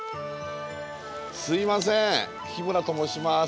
すいません日村と申します。